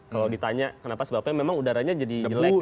kalau ditanya kenapa sebabnya memang udaranya jadi jelek